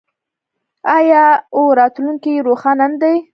آیا او راتلونکی یې روښانه نه دی؟